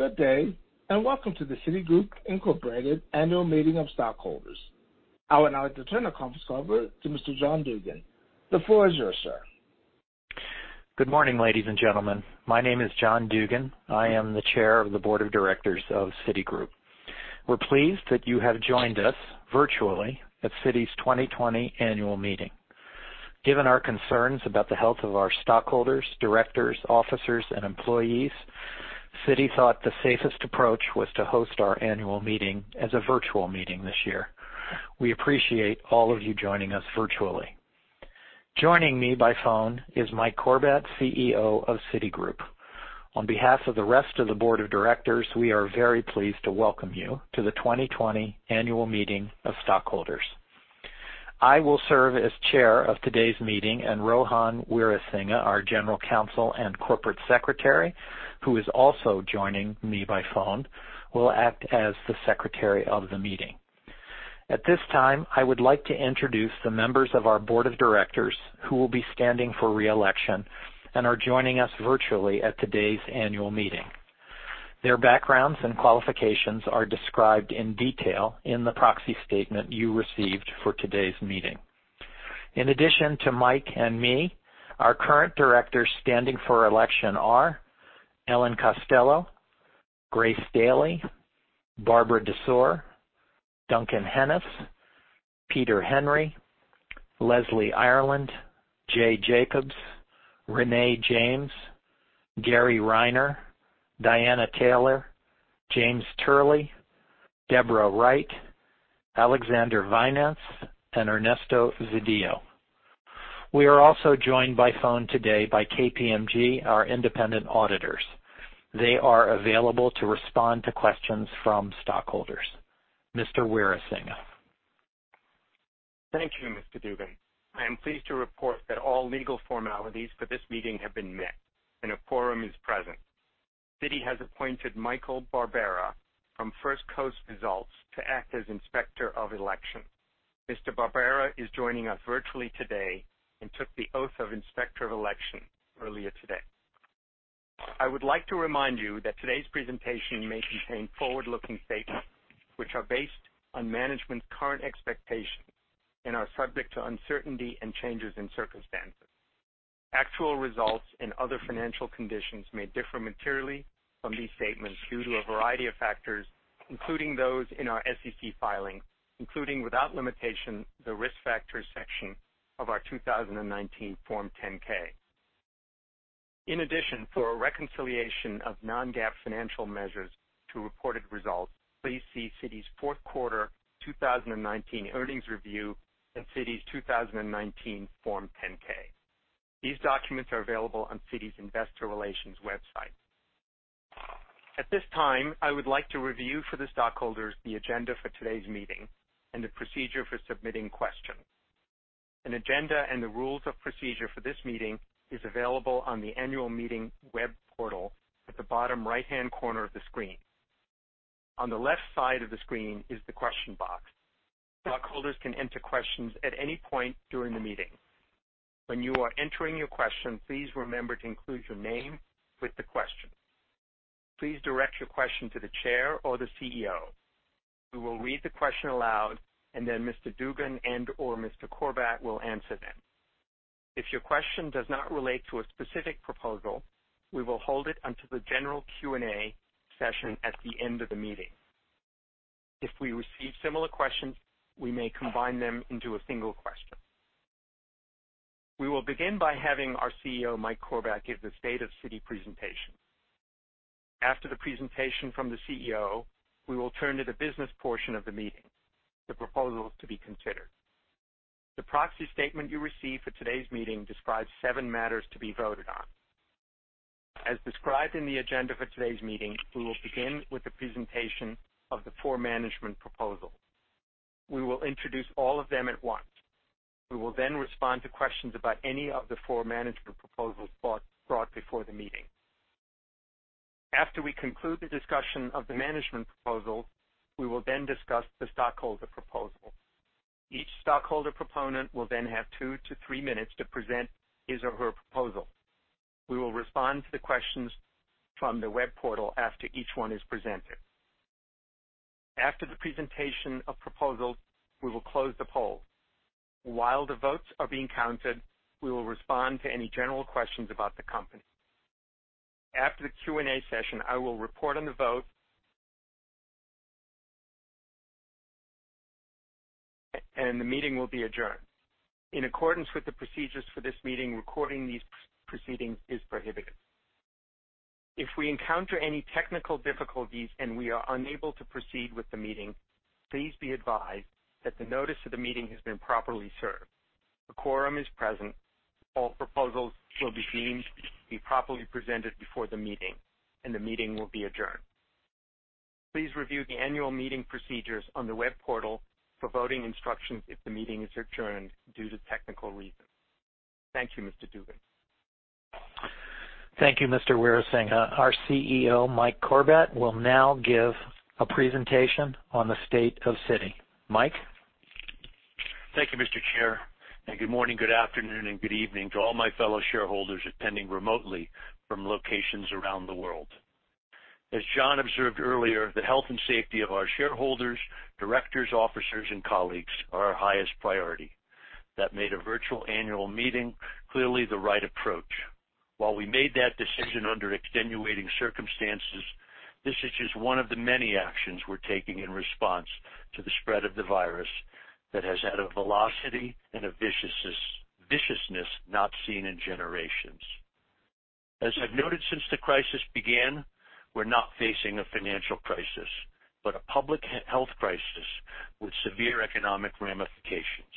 Good day, and welcome to the Citigroup Inc. Annual Meeting of Stockholders. I would now like to turn the conference call over to Mr. John Dugan. The floor is yours, sir. Good morning, ladies and gentlemen. My name is John Dugan. I am the chair of the board of directors of Citigroup. We're pleased that you have joined us virtually at Citi's 2020 annual meeting. Given our concerns about the health of our stockholders, directors, officers, and employees, Citi thought the safest approach was to host our annual meeting as a virtual meeting this year. We appreciate all of you joining us virtually. Joining me by phone is Mike Corbat, CEO of Citigroup. On behalf of the rest of the board of directors, we are very pleased to welcome you to the 2020 annual meeting of stockholders. I will serve as chair of today's meeting, and Rohan Weerasinghe, our General Counsel and Corporate Secretary, who is also joining me by phone, will act as the secretary of the meeting. At this time, I would like to introduce the members of our board of directors who will be standing for re-election and are joining us virtually at today's annual meeting. Their backgrounds and qualifications are described in detail in the proxy statement you received for today's meeting. In addition to Mike and me, our current directors standing for election are Ellen Costello, Grace Dailey, Barbara Desoer, Duncan Hennes, Peter Henry, Leslie Ireland, Jay Jacobs, Renée James, Gary Reiner, Diana Taylor, James Turley, Deborah Wright, Alexander Wynaendts, and Ernesto Zedillo. We are also joined by phone today by KPMG, our independent auditors. They are available to respond to questions from stockholders. Mr. Weerasinghe. Thank you, Mr. Dugan. I am pleased to report that all legal formalities for this meeting have been met and a quorum is present. Citi has appointed Michael Barbera from First Coast Results to act as Inspector of Election. Mr. Barbera is joining us virtually today and took the oath of Inspector of Election earlier today. I would like to remind you that today's presentation may contain forward-looking statements, which are based on management's current expectations and are subject to uncertainty and changes in circumstances. Actual results and other financial conditions may differ materially from these statements due to a variety of factors, including those in our SEC filing, including, without limitation, the risk factors section of our 2019 Form 10-K. For a reconciliation of non-GAAP financial measures to reported results, please see Citi's fourth quarter 2019 earnings review and Citi's 2019 Form 10-K. These documents are available on Citi's investor relations website. At this time, I would like to review for the stockholders the agenda for today's meeting and the procedure for submitting questions. An agenda and the rules of procedure for this meeting is available on the annual meeting web portal at the bottom right-hand corner of the screen. On the left side of the screen is the question box. Stockholders can enter questions at any point during the meeting. When you are entering your question, please remember to include your name with the question. Please direct your question to the chair or the CEO. We will read the question aloud, and then Mr. Dugan and/or Mr. Corbat will answer them. If your question does not relate to a specific proposal, we will hold it until the general Q&A session at the end of the meeting. If we receive similar questions, we may combine them into a single question. We will begin by having our CEO, Mike Corbat, give the State of Citi presentation. After the presentation from the CEO, we will turn to the business portion of the meeting, the proposals to be considered. The proxy statement you received for today's meeting describes seven matters to be voted on. As described in the agenda for today's meeting, we will begin with the presentation of the four management proposals. We will introduce all of them at once. We will respond to questions about any of the four management proposals brought before the meeting. After we conclude the discussion of the management proposal, we will discuss the stockholder proposal. Each stockholder proponent will have two to three minutes to present his or her proposal. We will respond to the questions from the web portal after each one is presented. After the presentation of proposals, we will close the poll. While the votes are being counted, we will respond to any general questions about the company. After the Q&A session, I will report on the vote, and the meeting will be adjourned. In accordance with the procedures for this meeting, recording these proceedings is prohibited. If we encounter any technical difficulties and we are unable to proceed with the meeting, please be advised that the notice of the meeting has been properly served. A quorum is present. All proposals will be deemed to be properly presented before the meeting, and the meeting will be adjourned. Please review the annual meeting procedures on the web portal for voting instructions if the meeting is adjourned due to technical reasons. Thank you, Mr. Dugan. Thank you, Mr. Weerasinghe. Our CEO, Mike Corbat, will now give a presentation on the State of Citi. Mike? Thank you, Mr. Chair. Good morning, good afternoon, and good evening to all my fellow shareholders attending remotely from locations around the world. As John observed earlier, the health and safety of our shareholders, directors, officers, and colleagues are our highest priority. That made a virtual annual meeting clearly the right approach. While we made that decision under extenuating circumstances, this is just one of the many actions we're taking in response to the spread of the virus that has had a velocity and a viciousness not seen in generations. As I've noted since the crisis began, we're not facing a financial crisis, but a public health crisis with severe economic ramifications.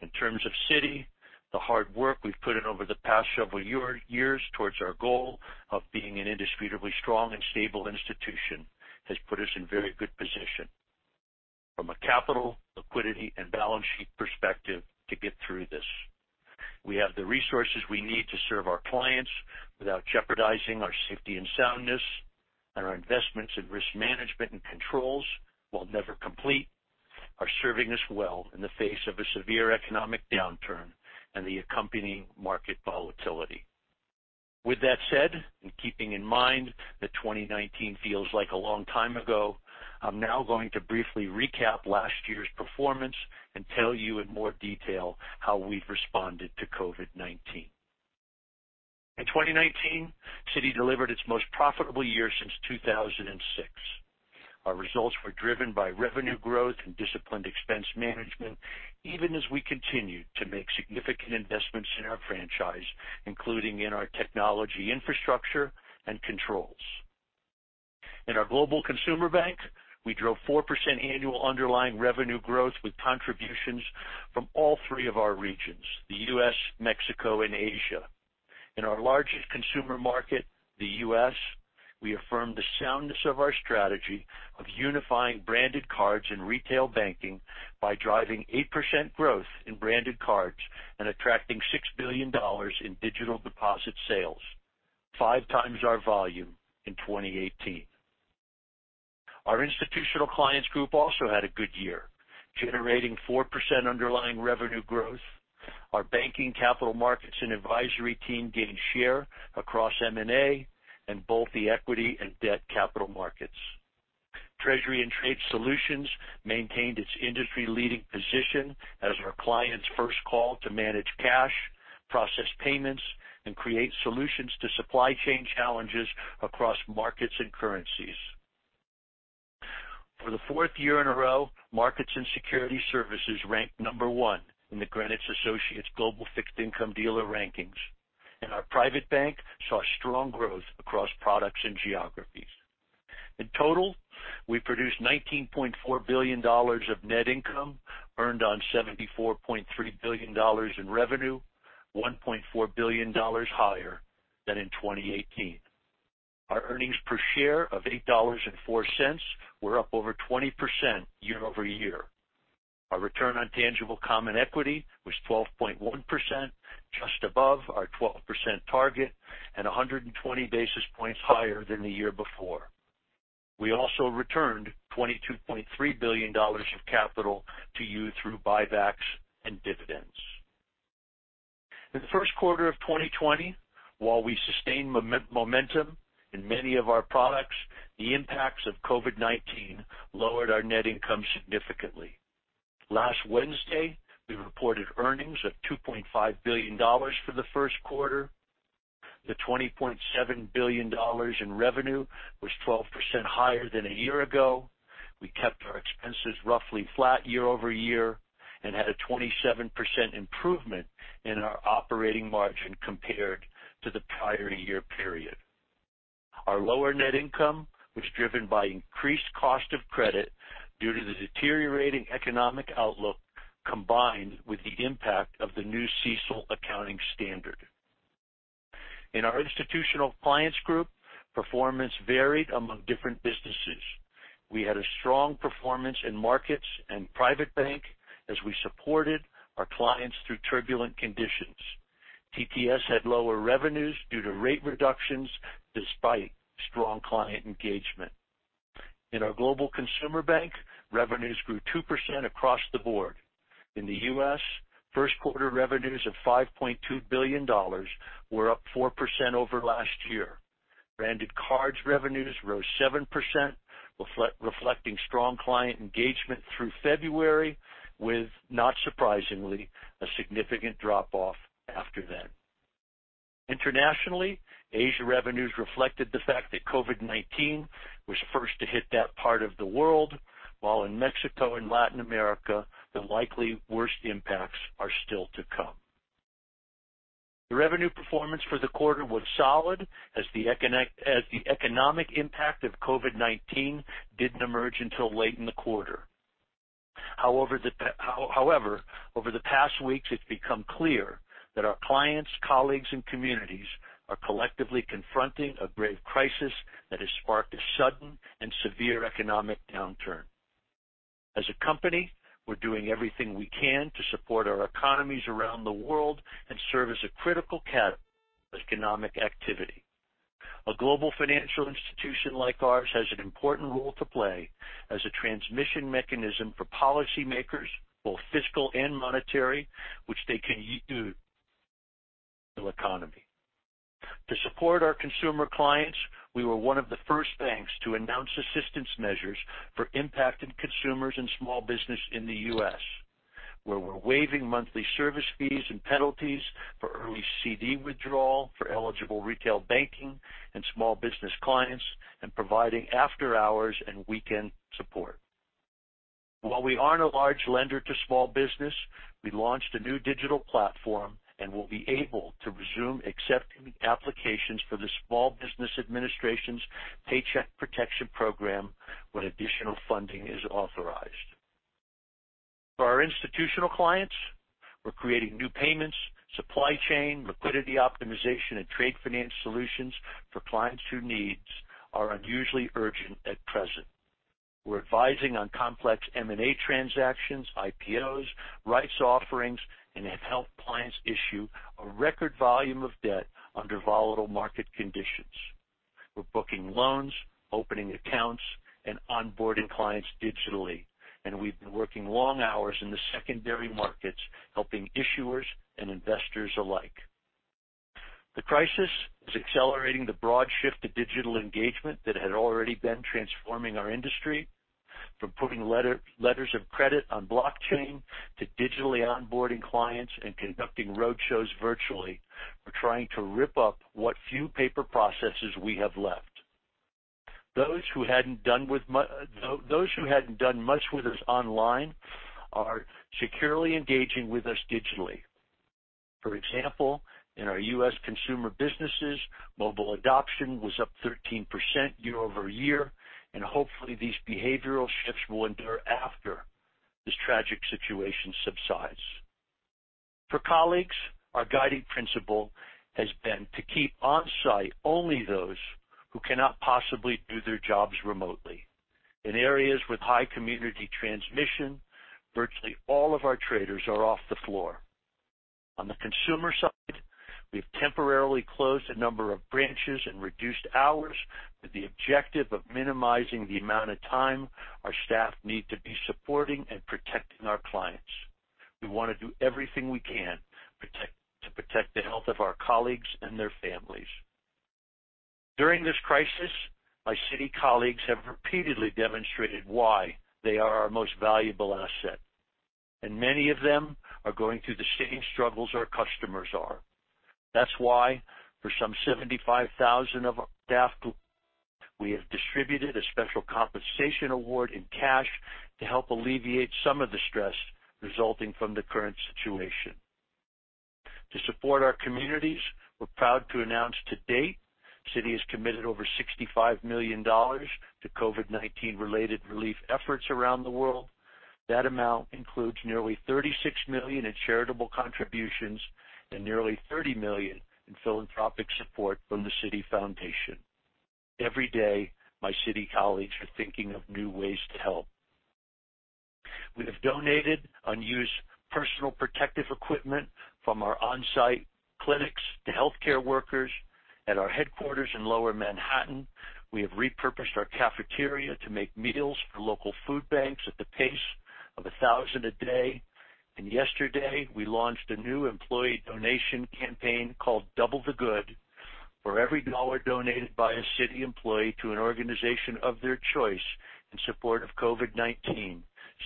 In terms of Citi, the hard work we've put in over the past several years towards our goal of being an indisputably strong and stable institution has put us in very good position from a capital, liquidity, and balance sheet perspective to get through this. We have the resources we need to serve our clients without jeopardizing our safety and soundness, and our investments in risk management and controls, while never complete, are serving us well in the face of a severe economic downturn and the accompanying market volatility. With that said, and keeping in mind that 2019 feels like a long time ago, I'm now going to briefly recap last year's performance and tell you in more detail how we've responded to COVID-19. In 2019, Citi delivered its most profitable year since 2006. Our results were driven by revenue growth and disciplined expense management, even as we continued to make significant investments in our franchise, including in our technology infrastructure and controls. In our global consumer bank, we drove 4% annual underlying revenue growth with contributions from all three of our regions, the U.S., Mexico, and Asia. In our largest consumer market, the U.S., we affirmed the soundness of our strategy of unifying Branded Cards and retail banking by driving 8% growth in Branded Cards and attracting $6 billion in digital deposit sales, 5x our volume in 2018. Our Institutional Clients Group also had a good year, generating 4% underlying revenue growth. Our banking, capital markets, and advisory team gained share across M&A in both the equity and debt capital markets. Treasury and Trade Solutions maintained its industry-leading position as our clients' first call to manage cash, process payments, and create solutions to supply chain challenges across markets and currencies. For the fourth year in a row, Markets and Securities Services ranked number one in the Greenwich Associates Global Fixed Income Dealer Rankings, and our Private Bank saw strong growth across products and geographies. In total, we produced $19.4 billion of net income, earned on $74.3 billion in revenue, $1.4 billion higher than in 2018. Our earnings per share of $8.04 were up over 20% year-over-year. Our return on tangible common equity was 12.1%, just above our 12% target, and 120 basis points higher than the year before. We also returned $22.3 billion of capital to you through buybacks and dividends. In the first quarter of 2020, while we sustained momentum in many of our products, the impacts of COVID-19 lowered our net income significantly. Last Wednesday, we reported earnings of $2.5 billion for the first quarter. The $20.7 billion in revenue was 12% higher than a year ago. We kept our expenses roughly flat year-over-year and had a 27% improvement in our operating margin compared to the prior year period. Our lower net income was driven by increased cost of credit due to the deteriorating economic outlook, combined with the impact of the new CECL accounting standard. In our Institutional Clients Group, performance varied among different businesses. We had a strong performance in markets and Citi Private Bank as we supported our clients through turbulent conditions. TTS had lower revenues due to rate reductions despite strong client engagement. In our Global Consumer Bank, revenues grew 2% across the board. In the U.S., first quarter revenues of $5.2 billion were up 4% over last year. Branded Cards revenues rose 7%, reflecting strong client engagement through February, with, not surprisingly, a significant drop off after then. Internationally, Asia revenues reflected the fact that COVID-19 was first to hit that part of the world, while in Mexico and Latin America, the likely worst impacts are still to come. The revenue performance for the quarter was solid as the economic impact of COVID-19 didn't emerge until late in the quarter. Over the past weeks, it's become clear that our clients, colleagues, and communities are collectively confronting a grave crisis that has sparked a sudden and severe economic downturn. As a company, we're doing everything we can to support our economies around the world and serve as a critical catalyst for economic activity. A global financial institution like ours has an important role to play as a transmission mechanism for policymakers, both fiscal and monetary, which they can use in the economy. To support our consumer clients, we were one of the first banks to announce assistance measures for impacted consumers and small business in the U.S., where we're waiving monthly service fees and penalties for early CD withdrawal for eligible retail banking and small business clients and providing after-hours and weekend support. While we aren't a large lender to small business, we launched a new digital platform and will be able to resume accepting applications for the Small Business Administration's Paycheck Protection Program when additional funding is authorized. For our institutional clients, we're creating new payments, supply chain, liquidity optimization, and trade finance solutions for clients whose needs are unusually urgent at present. We're advising on complex M&A transactions, IPOs, rights offerings, and have helped clients issue a record volume of debt under volatile market conditions. We're booking loans, opening accounts, and onboarding clients digitally, and we've been working long hours in the secondary markets, helping issuers and investors alike. The crisis is accelerating the broad shift to digital engagement that had already been transforming our industry. From putting letters of credit on blockchain to digitally onboarding clients and conducting roadshows virtually, we're trying to rip up what few paper processes we have left. Those who hadn't done much with us online are securely engaging with us digitally. For example, in our U.S. consumer businesses, mobile adoption was up 13% year-over-year, and hopefully, these behavioral shifts will endure after this tragic situation subsides. For colleagues, our guiding principle has been to keep on-site only those who cannot possibly do their jobs remotely. In areas with high community transmission, virtually all of our traders are off the floor. On the consumer side, we've temporarily closed a number of branches and reduced hours with the objective of minimizing the amount of time our staff need to be supporting and protecting our clients. We want to do everything we can to protect the health of our colleagues and their families. During this crisis, my Citi colleagues have repeatedly demonstrated why they are our most valuable asset, and many of them are going through the same struggles our customers are. That's why for some 75,000 of our staff, we have distributed a special compensation award in cash to help alleviate some of the stress resulting from the current situation. To support our communities, we're proud to announce to date, Citi has committed over $65 million to COVID-19 related relief efforts around the world. That amount includes nearly $36 million in charitable contributions and nearly $30 million in philanthropic support from the Citi Foundation. Every day, my Citi colleagues are thinking of new ways to help. We have donated unused personal protective equipment from our on-site clinics to healthcare workers. At our headquarters in Lower Manhattan, we have repurposed our cafeteria to make meals for local food banks at the pace of 1,000 a day. Yesterday, we launched a new employee donation campaign called Double the Good. For every dollar donated by a Citi employee to an organization of their choice in support of COVID-19,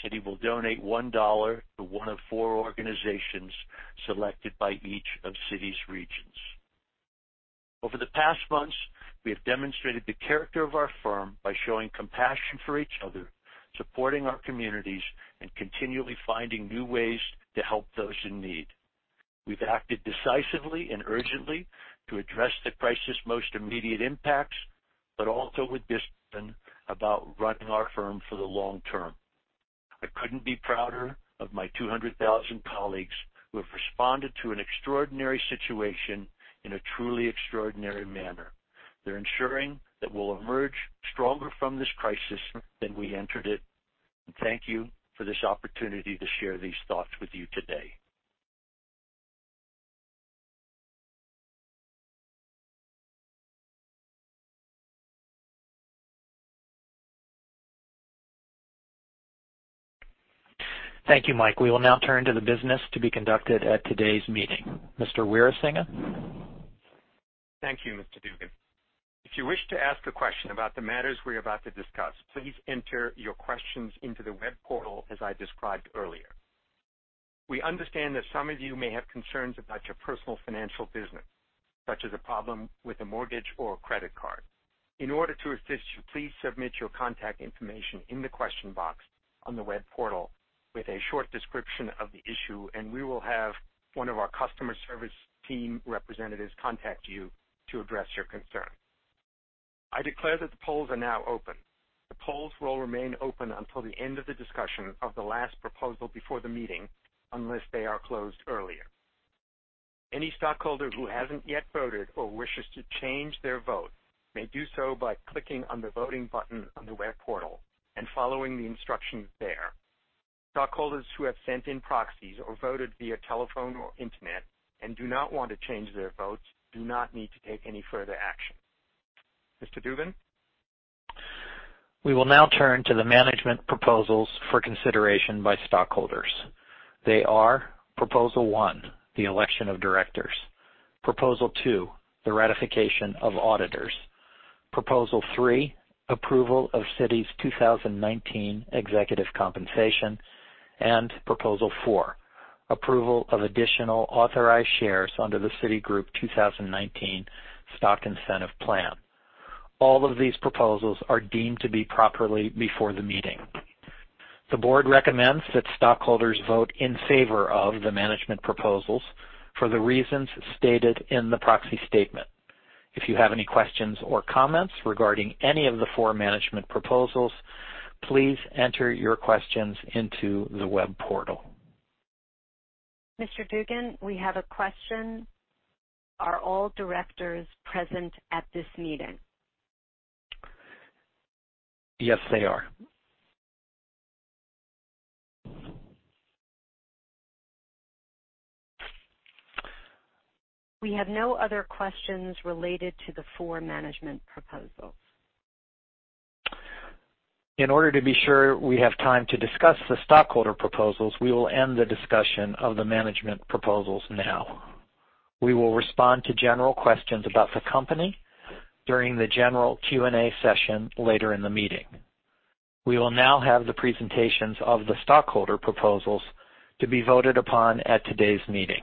Citi will donate $1 to one of four organizations selected by each of Citi's regions. Over the past months, we have demonstrated the character of our firm by showing compassion for each other, supporting our communities, and continually finding new ways to help those in need. We've acted decisively and urgently to address the crisis' most immediate impacts, but also with discipline about running our firm for the long term. I couldn't be prouder of my 200,000 colleagues who have responded to an extraordinary situation in a truly extraordinary manner. They're ensuring that we'll emerge stronger from this crisis than we entered it. Thank you for this opportunity to share these thoughts with you today. Thank you, Mike. We will now turn to the business to be conducted at today's meeting. Mr. Weerasinghe? Thank you, Mr. Dugan. If you wish to ask a question about the matters we're about to discuss, please enter your questions into the web portal as I described earlier. We understand that some of you may have concerns about your personal financial business, such as a problem with a mortgage or a credit card. In order to assist you, please submit your contact information in the question box on the web portal with a short description of the issue, and we will have one of our customer service team representatives contact you to address your concern. I declare that the polls are now open. The polls will remain open until the end of the discussion of the last proposal before the meeting, unless they are closed earlier. Any stockholder who hasn't yet voted or wishes to change their vote may do so by clicking on the voting button on the web portal and following the instructions there. Stockholders who have sent in proxies or voted via telephone or internet and do not want to change their votes do not need to take any further action. Mr. Dugan? We will now turn to the management proposals for consideration by stockholders. They are Proposal 1, the election of directors, Proposal 2, the ratification of auditors, Proposal 3, approval of Citi's 2019 executive compensation, and Proposal 4, approval of additional authorized shares under the Citigroup 2019 Stock Incentive Plan. All of these proposals are deemed to be properly before the meeting. The board recommends that stockholders vote in favor of the management proposals for the reasons stated in the proxy statement. If you have any questions or comments regarding any of the four management proposals, please enter your questions into the web portal. Mr. Dugan, we have a question. Are all directors present at this meeting? Yes, they are. We have no other questions related to the four management proposals. In order to be sure we have time to discuss the stockholder proposals, we will end the discussion of the management proposals now. We will respond to general questions about the company during the general Q&A session later in the meeting. We will now have the presentations of the stockholder proposals to be voted upon at today's meeting.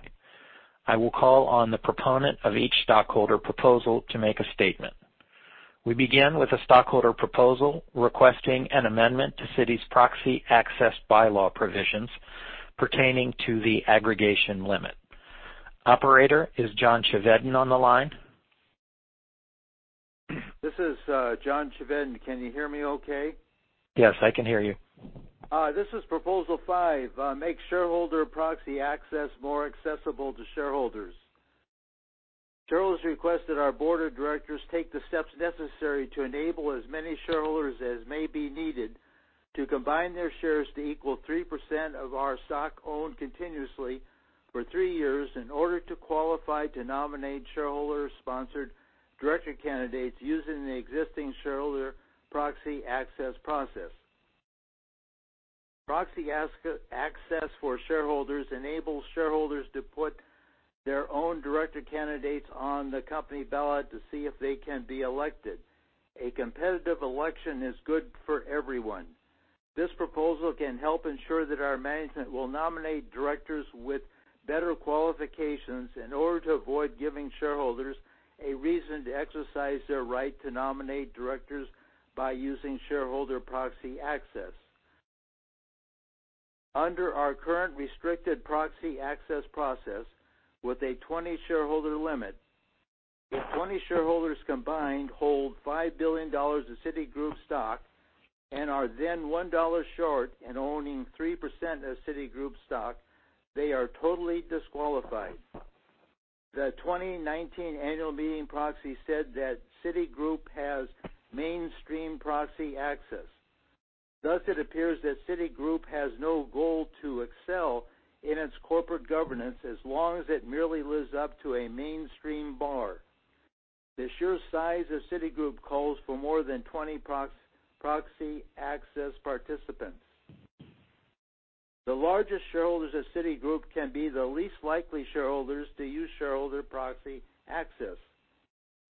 I will call on the proponent of each stockholder proposal to make a statement. We begin with a stockholder proposal requesting an amendment to Citi's proxy access bylaw provisions pertaining to the aggregation limit. Operator, is John Chevedden on the line? This is John Chevedden. Can you hear me okay? Yes, I can hear you. This is Proposal 5, make shareholder proxy access more accessible to shareholders. Shareholders request that our board of directors take the steps necessary to enable as many shareholders as may be needed to combine their shares to equal 3% of our stock owned continuously for three years in order to qualify to nominate shareholder-sponsored director candidates using the existing shareholder proxy access process. Proxy access for shareholders enables shareholders to put their own director candidates on the company ballot to see if they can be elected. A competitive election is good for everyone. This proposal can help ensure that our management will nominate directors with better qualifications in order to avoid giving shareholders a reason to exercise their right to nominate directors by using shareholder proxy access. Under our current restricted proxy access process with a 20 shareholder limit, if 20 shareholders combined hold $5 billion of Citigroup stock and are then $1 short in owning 3% of Citigroup stock, they are totally disqualified. The 2019 annual meeting proxy said that Citigroup has mainstream proxy access. Thus, it appears that Citigroup has no goal to excel in its corporate governance as long as it merely lives up to a mainstream bar. The sheer size of Citigroup calls for more than 20 proxy access participants. The largest shareholders of Citigroup can be the least likely shareholders to use shareholder proxy access.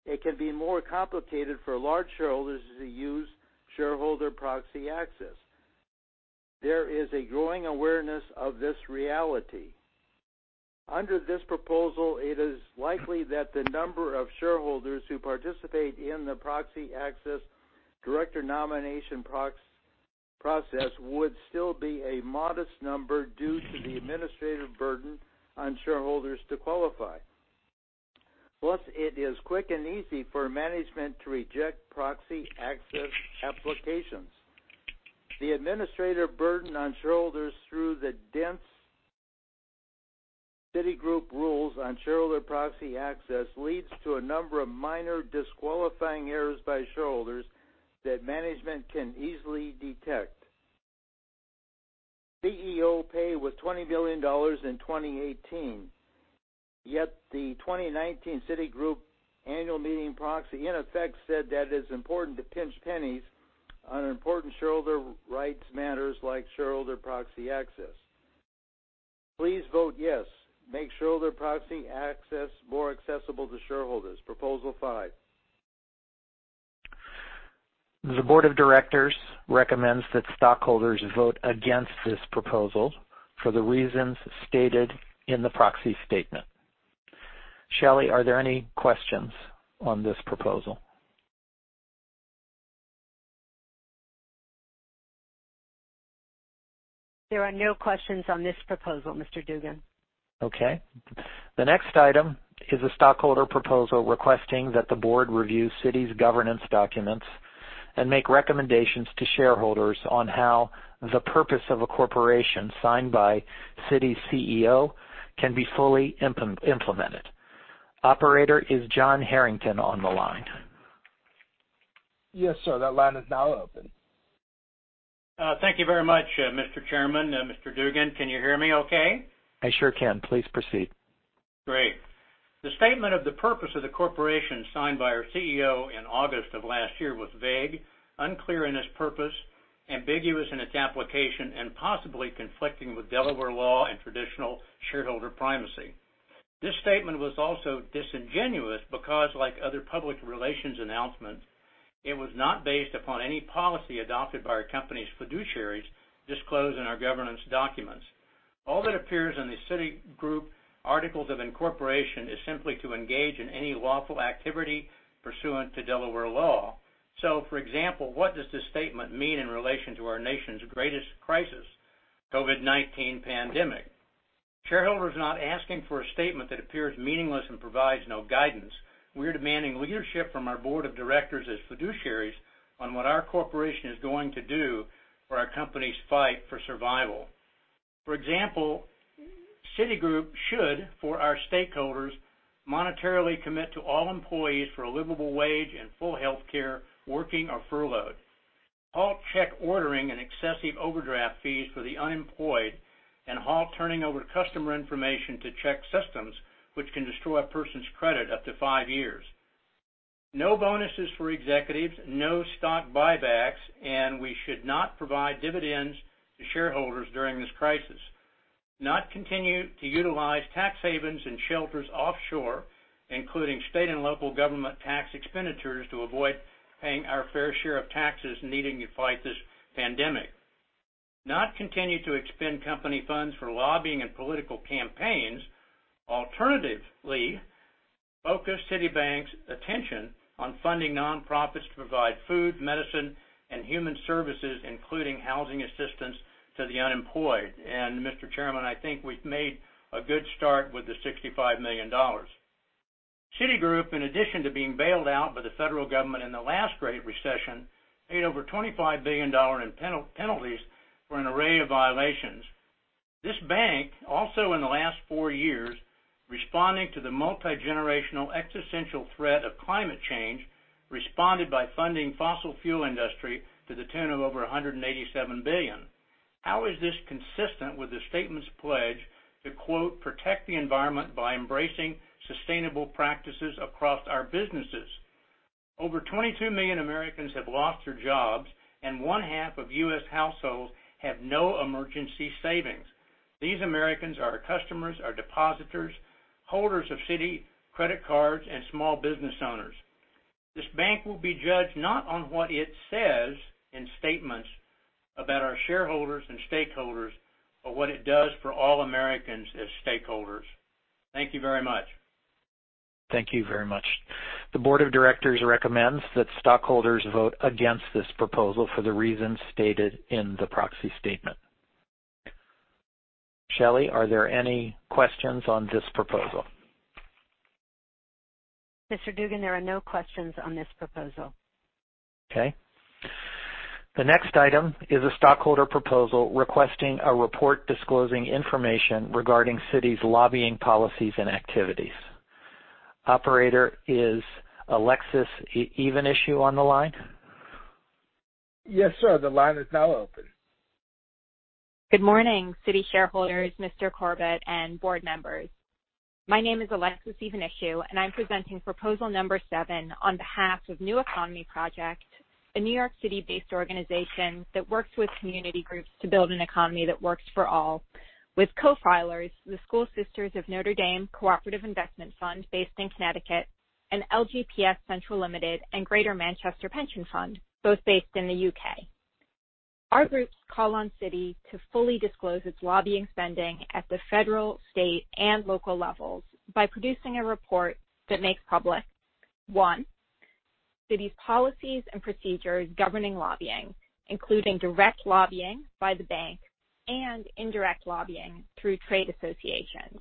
It can be more complicated for large shareholders to use shareholder proxy access. There is a growing awareness of this reality. Under this proposal, it is likely that the number of shareholders who participate in the proxy access director nomination process would still be a modest number due to the administrative burden on shareholders to qualify. Plus, it is quick and easy for management to reject proxy access applications. The administrative burden on shareholders through the dense Citigroup rules on shareholder proxy access leads to a number of minor disqualifying errors by shareholders that management can easily detect. CEO pay was $20 billion in 2018, yet the 2019 Citigroup annual meeting proxy in effect said that it is important to pinch pennies on important shareholder rights matters like shareholder proxy access. Please vote yes. Make shareholder proxy access more accessible to shareholders, Proposal 5. The board of directors recommends that stockholders vote against this proposal for the reasons stated in the proxy statement. Shelley, are there any questions on this proposal? There are no questions on this proposal, Mr. Dugan. Okay. The next item is a stockholder proposal requesting that the board review Citi's governance documents and make recommendations to shareholders on how the purpose of a corporation signed by Citi's CEO can be fully implemented. Operator, is John Harrington on the line? Yes, sir. That line is now open. Thank you very much, Mr. Chairman. Mr. Dugan, can you hear me okay? I sure can. Please proceed. Great. The statement of the purpose of the corporation signed by our CEO in August of last year was vague, unclear in its purpose, ambiguous in its application, and possibly conflicting with Delaware law and traditional shareholder primacy. This statement was also disingenuous because like other public relations announcements, it was not based upon any policy adopted by our company's fiduciaries disclosed in our governance documents. All that appears in the Citigroup articles of incorporation is simply to engage in any lawful activity pursuant to Delaware law. For example, what does this statement mean in relation to our nation's greatest crisis, COVID-19 pandemic? Shareholders are not asking for a statement that appears meaningless and provides no guidance. We are demanding leadership from our board of directors as fiduciaries on what our corporation is going to do for our company's fight for survival. For example, Citigroup should, for our stakeholders, monetarily commit to all employees for a livable wage and full healthcare, working or furloughed. Halt check ordering and excessive overdraft fees for the unemployed, and Halt turning over customer information to ChexSystems which can destroy a person's credit up to five years. No bonuses for executives, no stock buybacks, and we should not provide dividends to shareholders during this crisis. We should not continue to utilize tax havens and shelters offshore, including state and local government tax expenditures to avoid paying our fair share of taxes needed to fight this pandemic. We should not continue to expend company funds for lobbying and political campaigns. Alternatively, we should focus Citibank's attention on funding nonprofits to provide food, medicine, and human services, including housing assistance to the unemployed. Mr. Chairman, I think we've made a good start with the $65 million. Citigroup, in addition to being bailed out by the federal government in the last great recession, paid over $25 billion in penalties for an array of violations. This bank, also in the last four years, responding to the multigenerational existential threat of climate change, responded by funding fossil fuel industry to the tune of over $187 billion. How is this consistent with the statement's pledge to, quote, "Protect the environment by embracing sustainable practices across our businesses." Over 22 million Americans have lost their jobs. One half of U.S. households have no emergency savings. These Americans are our customers, our depositors, holders of Citi credit cards, and small business owners. This bank will be judged not on what it says in statements about our shareholders and stakeholders, but what it does for all Americans as stakeholders. Thank you very much. Thank you very much. The board of directors recommends that stockholders vote against this proposal for the reasons stated in the proxy statement. Shelley, are there any questions on this proposal? Mr. Dugan, there are no questions on this proposal. Okay. The next item is a stockholder proposal requesting a report disclosing information regarding Citi's lobbying policies and activities. Operator, is Alexis Iwanisziw on the line? Yes, sir. The line is now open. Good morning, Citi shareholders, Mr. Corbat, and board members. My name is Alexis Iwanisziw, and I'm presenting Proposal Number 7 on behalf of New Economy Project, a New York City-based organization that works with community groups to build an economy that works for all. With co-filers, the School Sisters of Notre Dame Cooperative Investment Fund based in Connecticut, and LGPS Central Limited and Greater Manchester Pension Fund, both based in the U.K. Our groups call on Citi to fully disclose its lobbying spending at the federal, state, and local levels by producing a report that makes public, one, Citi's policies and procedures governing lobbying, including direct lobbying by the bank and indirect lobbying through trade associations.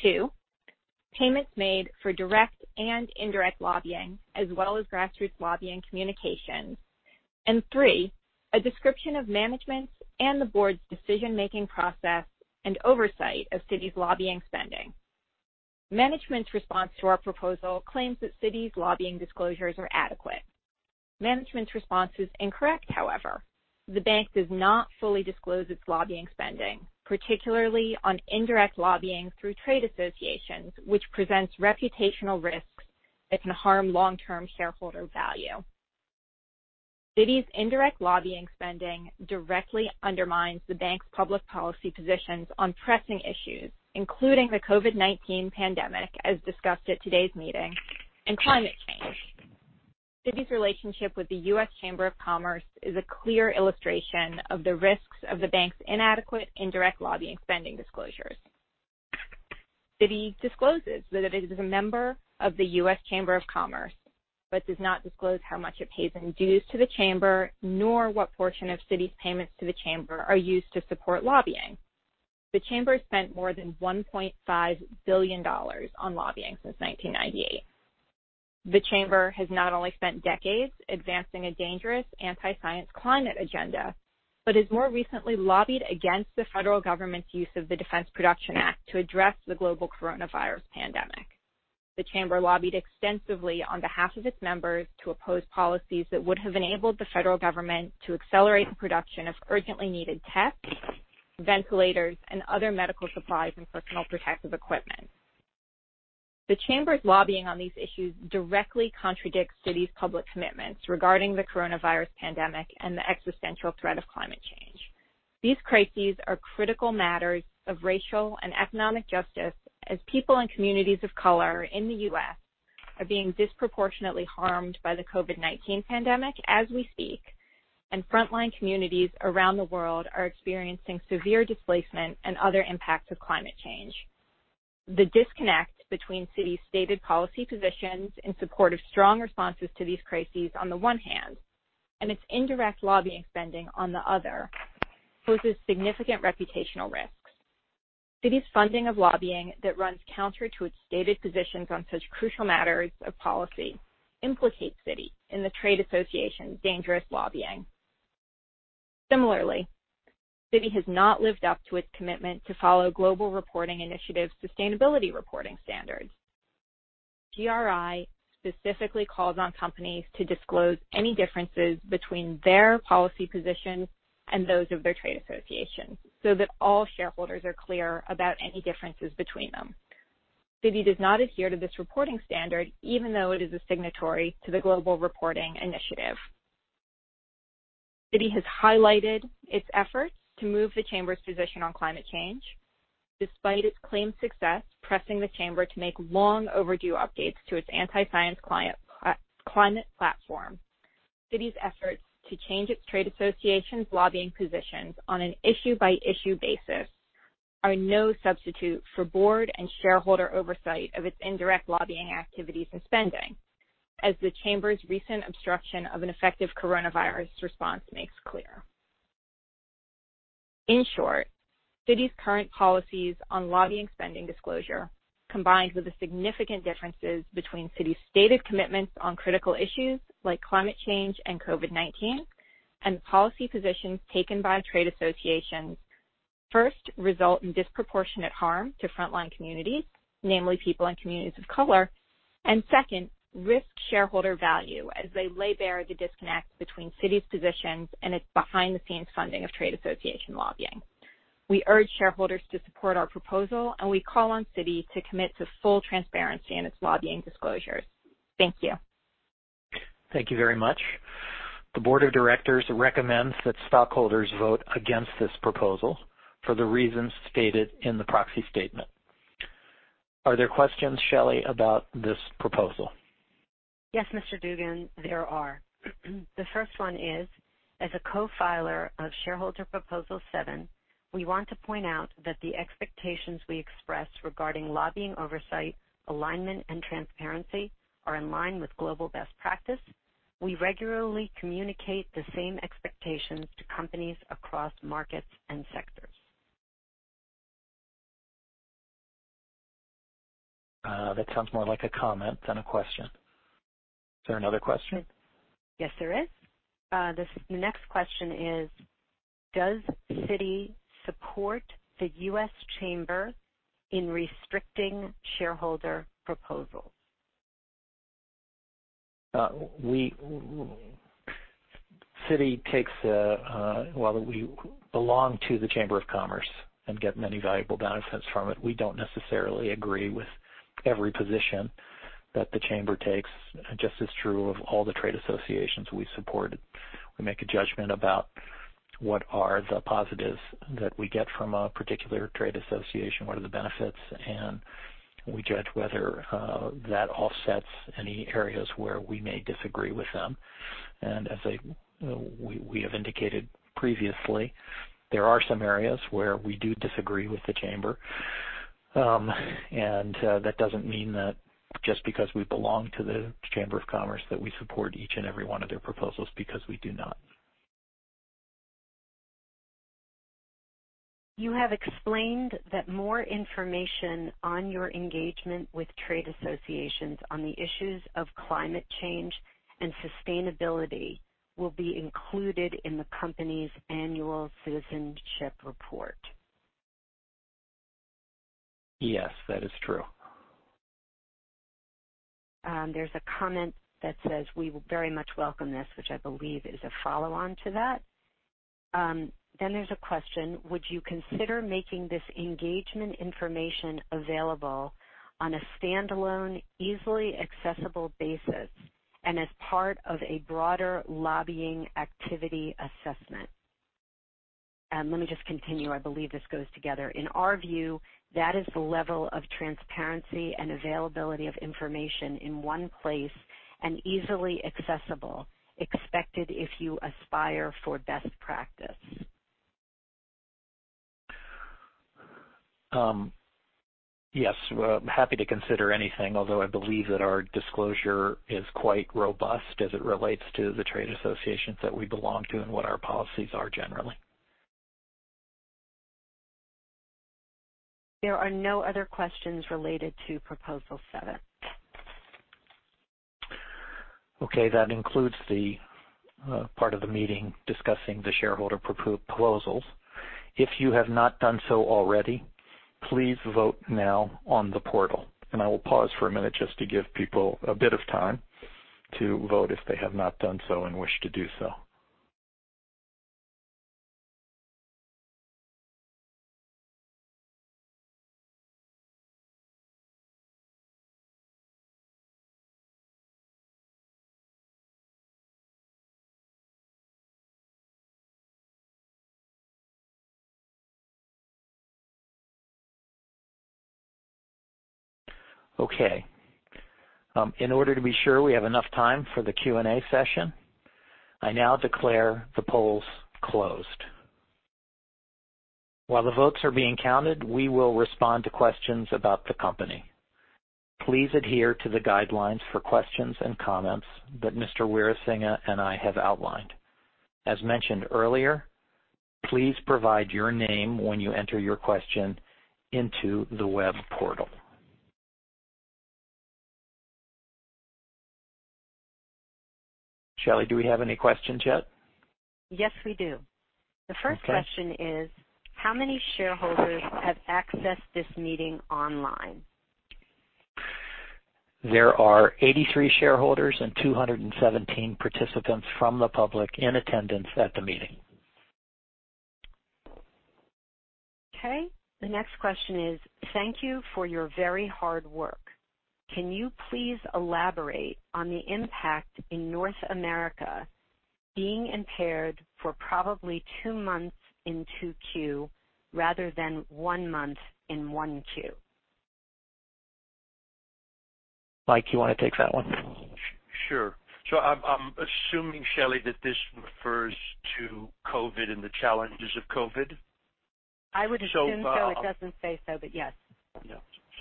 Two, payments made for direct and indirect lobbying, as well as grassroots lobbying communications. Three, a description of management's and the board's decision-making process and oversight of Citi's lobbying spending. Management's response to our proposal claims that Citi's lobbying disclosures are adequate. Management's response is incorrect, however. The bank does not fully disclose its lobbying spending, particularly on indirect lobbying through trade associations, which presents reputational risks that can harm long-term shareholder value. Citi's indirect lobbying spending directly undermines the bank's public policy positions on pressing issues, including the COVID-19 pandemic, as discussed at today's meeting, and climate change. Citi's relationship with the U.S. Chamber of Commerce is a clear illustration of the risks of the bank's inadequate indirect lobbying spending disclosures. Citi discloses that it is a member of the U.S. Chamber of Commerce, but does not disclose how much it pays in dues to the Chamber, nor what portion of Citi's payments to the Chamber are used to support lobbying. The Chamber spent more than $1.5 billion on lobbying since 1998. The Chamber has not only spent decades advancing a dangerous anti-science climate agenda. It has more recently lobbied against the federal government's use of the Defense Production Act to address the global coronavirus pandemic. The Chamber lobbied extensively on behalf of its members to oppose policies that would have enabled the federal government to accelerate the production of urgently needed tests, ventilators, and other medical supplies and personal protective equipment. The Chamber's lobbying on these issues directly contradicts Citi's public commitments regarding the coronavirus pandemic and the existential threat of climate change. These crises are critical matters of racial and economic justice as people in communities of color in the U.S. are being disproportionately harmed by the COVID-19 pandemic as we speak, and frontline communities around the world are experiencing severe displacement and other impacts of climate change. The disconnect between Citi's stated policy positions in support of strong responses to these crises on the one hand, and its indirect lobbying spending on the other, poses significant reputational risks. Citi's funding of lobbying that runs counter to its stated positions on such crucial matters of policy implicates Citi in the trade association's dangerous lobbying. Similarly, Citi has not lived up to its commitment to follow Global Reporting Initiative sustainability reporting standards. GRI specifically calls on companies to disclose any differences between their policy positions and those of their trade associations, so that all shareholders are clear about any differences between them. Citi does not adhere to this reporting standard, even though it is a signatory to the Global Reporting Initiative. Citi has highlighted its efforts to move the Chamber's position on climate change. Despite its claimed success pressing the Chamber to make long-overdue updates to its anti-science climate platform, Citi's efforts to change its trade association's lobbying positions on an issue-by-issue basis are no substitute for board and shareholder oversight of its indirect lobbying activities and spending, as the Chamber's recent obstruction of an effective coronavirus response makes clear. In short, Citi's current policies on lobbying spending disclosure, combined with the significant differences between Citi's stated commitments on critical issues like climate change and COVID-19, and the policy positions taken by trade associations, first result in disproportionate harm to frontline communities, namely people in communities of color, and second, risk shareholder value as they lay bare the disconnect between Citi's positions and its behind-the-scenes funding of trade association lobbying. We urge shareholders to support our proposal, and we call on Citi to commit to full transparency in its lobbying disclosures. Thank you. Thank you very much. The board of directors recommends that stockholders vote against this proposal for the reasons stated in the proxy statement. Are there questions, Shelley, about this proposal? Yes, Mr. Dugan, there are. The first one is, as a co-filer of shareholder Proposal 7, we want to point out that the expectations we express regarding lobbying oversight, alignment, and transparency are in line with global best practice. We regularly communicate the same expectations to companies across markets and sectors. That sounds more like a comment than a question. Is there another question? Yes, there is. The next question is: does Citi support the U.S. Chamber in restricting shareholder proposals? Citi While we belong to the Chamber of Commerce and get many valuable benefits from it, we don't necessarily agree with every position that the Chamber takes. Just as true of all the trade associations we support. We make a judgment about what are the positives that we get from a particular trade association, what are the benefits, and we judge whether that offsets any areas where we may disagree with them. As we have indicated previously, there are some areas where we do disagree with the Chamber. That doesn't mean that just because we belong to the Chamber of Commerce that we support each and every one of their proposals, because we do not. You have explained that more information on your engagement with trade associations on the issues of climate change and sustainability will be included in the company's annual citizenship report. Yes, that is true. There's a comment that says, "We will very much welcome this," which I believe is a follow-on to that. There's a question: Would you consider making this engagement information available on a standalone, easily accessible basis and as part of a broader lobbying activity assessment? Let me just continue. I believe this goes together. In our view, that is the level of transparency and availability of information in one place and easily accessible, expected if you aspire for best practice. Yes. Happy to consider anything, although I believe that our disclosure is quite robust as it relates to the trade associations that we belong to and what our policies are generally. There are no other questions related to Proposal 7. Okay. That includes the part of the meeting discussing the shareholder proposals. If you have not done so already, please vote now on the portal. I will pause for a minute just to give people a bit of time to vote if they have not done so and wish to do so. Okay. In order to be sure we have enough time for the Q&A session, I now declare the polls closed. While the votes are being counted, we will respond to questions about the company. Please adhere to the guidelines for questions and comments that Mr. Weerasinghe and I have outlined. As mentioned earlier, please provide your name when you enter your question into the web portal. Shelley, do we have any questions yet? Yes, we do. Okay. The first question is, how many shareholders have accessed this meeting online? There are 83 shareholders and 217 participants from the public in attendance at the meeting. Okay. The next question is, thank you for your very hard work. Can you please elaborate on the impact in North America being impaired for probably two months in 2Q rather than one month in 1Q? Mike, you want to take that one? Sure. I'm assuming, Shelley, that this refers to COVID and the challenges of COVID. I would assume so. It doesn't say so, but yes.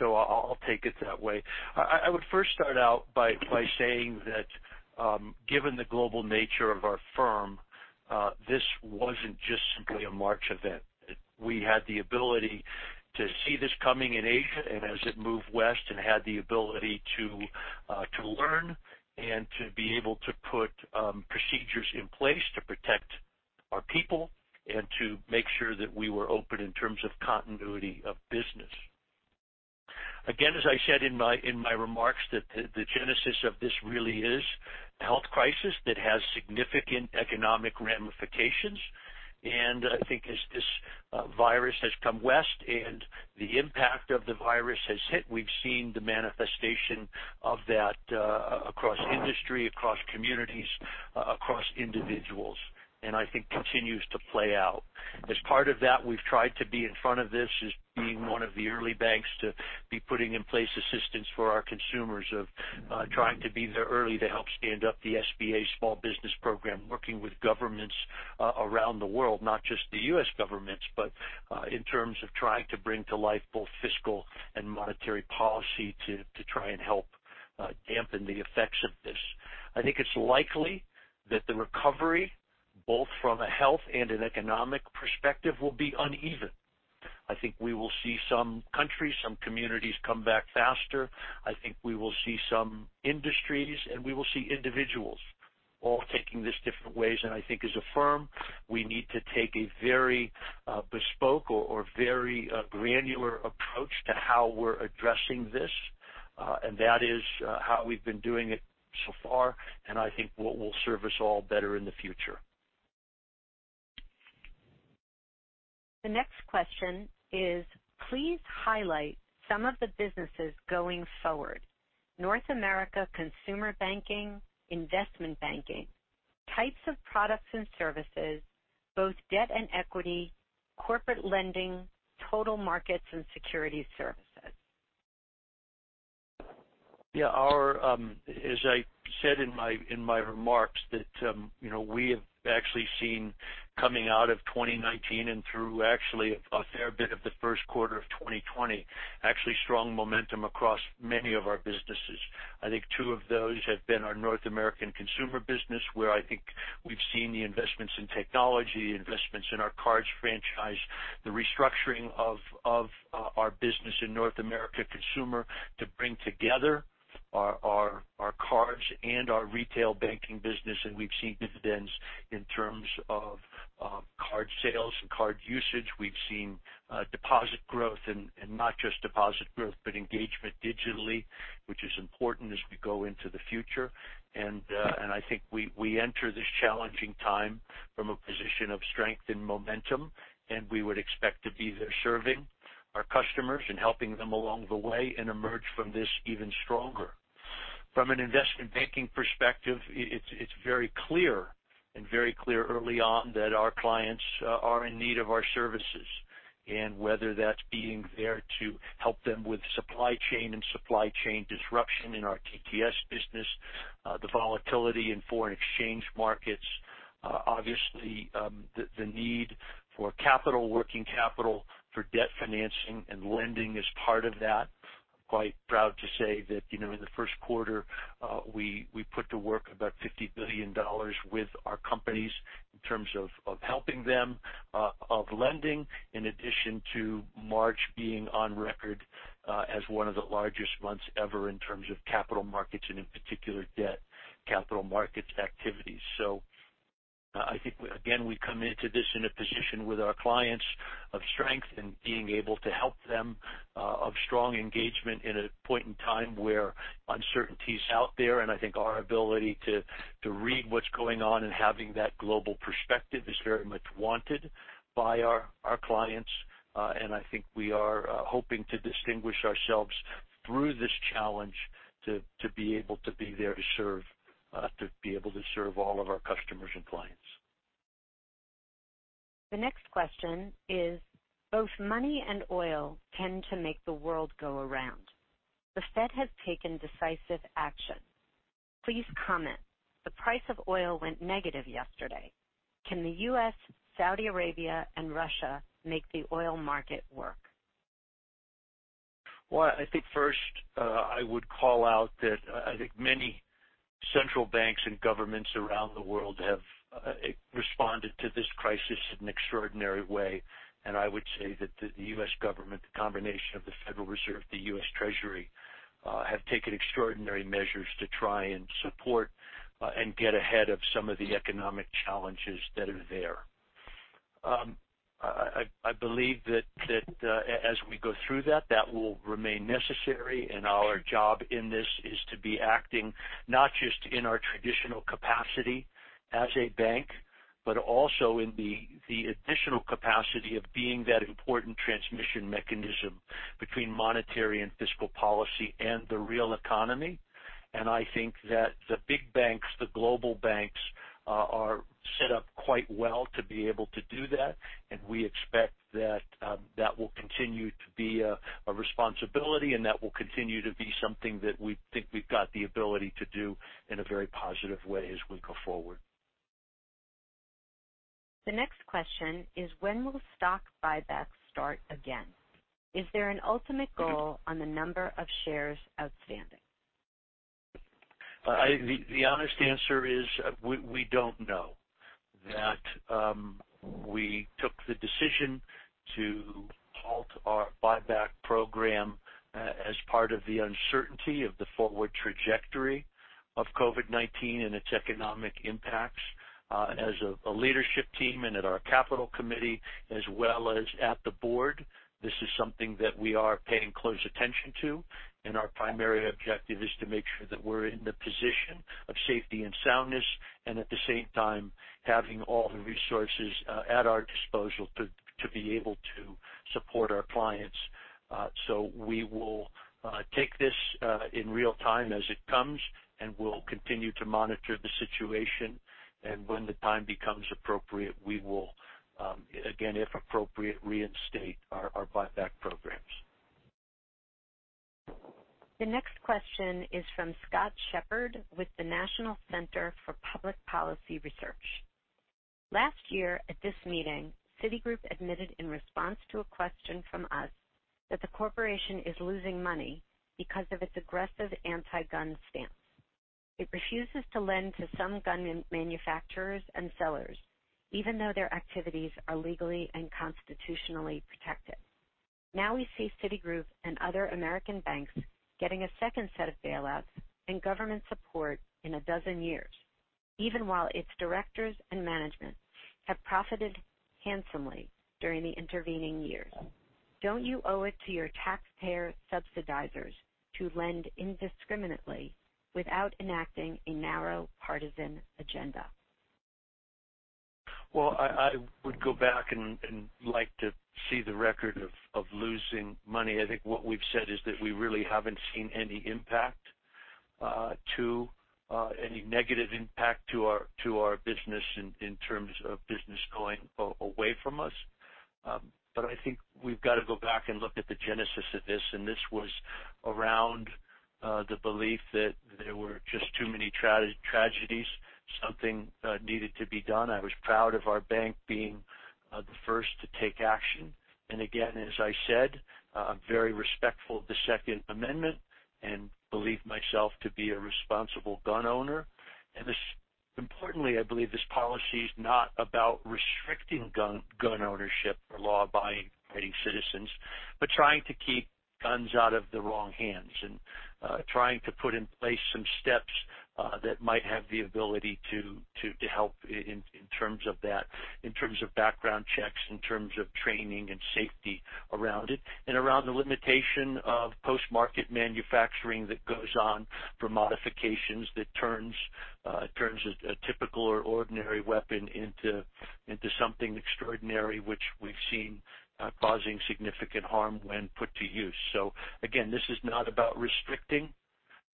Yeah. I'll take it that way. I would first start out by saying that given the global nature of our firm, this wasn't just simply a March event. We had the ability to see this coming in Asia and as it moved west and had the ability to learn and to be able to put procedures in place to protect our people and to make sure that we were open in terms of continuity of business. Again, as I said in my remarks, that the genesis of this really is a health crisis that has significant economic ramifications. I think as this virus has come west and the impact of the virus has hit, we've seen the manifestation of that across industry, across communities, across individuals, and I think continues to play out. As part of that, we've tried to be in front of this as being one of the early banks to be putting in place assistance for our consumers of trying to be there early to help stand up the SBA small business program, working with governments around the world, not just the U.S. governments, but in terms of trying to bring to life both fiscal and monetary policy to try and help dampen the effects of this. I think it's likely that the recovery, both from a health and an economic perspective, will be uneven. I think we will see some countries, some communities come back faster. I think we will see some industries, and we will see individuals all taking this different ways. I think as a firm, we need to take a very bespoke or very granular approach to how we're addressing this. That is how we've been doing it so far, and I think what will serve us all better in the future. The next question is, please highlight some of the businesses going forward. North America consumer banking, investment banking, types of products and services, both debt and equity, corporate lending, total markets, and Securities Services. Yeah. As I said in my remarks that we have actually seen coming out of 2019 and through actually a fair bit of the first quarter of 2020, actually strong momentum across many of our businesses. I think two of those have been our North American consumer business, where I think we've seen the investments in technology, investments in our cards franchise, the restructuring of our business in North America consumer to bring together our cards and our retail banking business. We've seen dividends in terms of card sales and card usage. We've seen deposit growth and not just deposit growth, but engagement digitally, which is important as we go into the future. I think we enter this challenging time from a position of strength and momentum, and we would expect to be there serving our customers and helping them along the way and emerge from this even stronger. From an investment banking perspective, it's very clear and very clear early on that our clients are in need of our services, and whether that's being there to help them with supply chain and supply chain disruption in our TTS business, the volatility in foreign exchange markets. Obviously, the need for capital, working capital for debt financing and lending is part of that. Quite proud to say that in the first quarter, we put to work about $50 billion with our companies in terms of helping them, of lending, in addition to March being on record as one of the largest months ever in terms of capital markets and in particular, debt capital markets activities. I think, again, we come into this in a position with our clients of strength and being able to help them, of strong engagement in a point in time where uncertainty is out there. I think our ability to read what's going on and having that global perspective is very much wanted by our clients. I think we are hoping to distinguish ourselves through this challenge to be able to serve all of our customers and clients. The next question is, both money and oil tend to make the world go around. The Fed has taken decisive action. Please comment. The price of oil went negative yesterday. Can the U.S., Saudi Arabia, and Russia make the oil market work? Well, I think first, I would call out that I think many central banks and governments around the world have responded to this crisis in an extraordinary way. I would say that the U.S. government, the combination of the Federal Reserve, the U.S. Treasury, have taken extraordinary measures to try and support and get ahead of some of the economic challenges that are there. I believe that as we go through that will remain necessary. Our job in this is to be acting not just in our traditional capacity as a bank, but also in the additional capacity of being that important transmission mechanism between monetary and fiscal policy and the real economy. I think that the big banks, the global banks, are set up quite well to be able to do that. We expect that will continue to be a responsibility and that will continue to be something that we think we've got the ability to do in a very positive way as we go forward. The next question is, when will stock buybacks start again? Is there an ultimate goal on the number of shares outstanding? The honest answer is, we don't know. We took the decision to Halt our buyback program as part of the uncertainty of the forward trajectory of COVID-19 and its economic impacts. A leadership team and at our capital committee, as well as at the board, this is something that we are paying close attention to. Our primary objective is to make sure that we're in the position of safety and soundness, and at the same time, having all the resources at our disposal to be able to support our clients. We will take this in real-time as it comes, and we'll continue to monitor the situation. When the time becomes appropriate, we will, again, if appropriate, reinstate our buyback programs. The next question is from Scott Shepard with the National Center for Public Policy Research. Last year at this meeting, Citigroup admitted in response to a question from us that the corporation is losing money because of its aggressive anti-gun stance. It refuses to lend to some gun manufacturers and sellers, even though their activities are legally and constitutionally protected. Now we see Citigroup and other American banks getting a second set of bailouts and government support in a dozen years, even while its directors and management have profited handsomely during the intervening years. Don't you owe it to your taxpayer subsidizers to lend indiscriminately without enacting a narrow partisan agenda? I would go back and like to see the record of losing money. I think what we've said is that we really haven't seen any negative impact to our business in terms of business going away from us. I think we've got to go back and look at the genesis of this. This was around the belief that there were just too many tragedies. Something needed to be done. I was proud of our bank being the first to take action. Again, as I said, I'm very respectful of the Second Amendment and believe myself to be a responsible gun owner. Importantly, I believe this policy is not about restricting gun ownership for law-abiding citizens, but trying to keep guns out of the wrong hands and trying to put in place some steps that might have the ability to help in terms of that, in terms of background checks, in terms of training and safety around it. Around the limitation of post-market manufacturing that goes on for modifications that turns a typical or ordinary weapon into something extraordinary, which we've seen causing significant harm when put to use. Again, this is not about restricting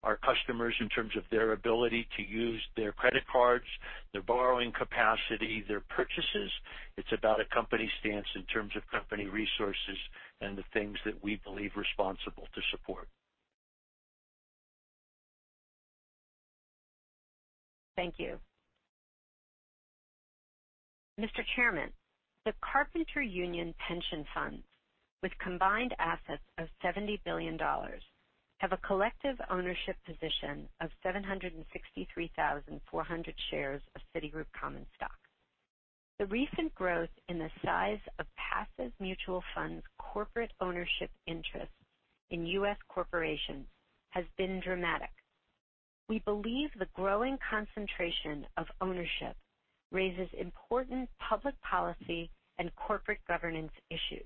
our customers in terms of their ability to use their credit cards, their borrowing capacity, their purchases. It's about a company stance in terms of company resources and the things that we believe responsible to support. Thank you, Mr. Chairman, the Carpenter Union pension funds, with combined assets of $70 billion, have a collective ownership position of 763,400 shares of Citigroup common stock. The recent growth in the size of passive mutual funds corporate ownership interests in U.S. corporations has been dramatic. We believe the growing concentration of ownership raises important public policy and corporate governance issues.